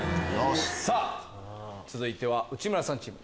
さぁ続いては内村さんチーム。